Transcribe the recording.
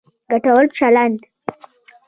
ګټور چلند